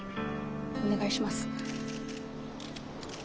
お願いします。